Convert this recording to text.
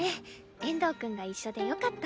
遠藤くんが一緒でよかった。